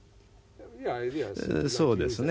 そうですね。